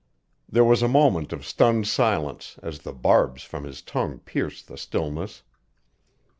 There was a moment of stunned silence, as the barbs from his tongue pierced the stillness.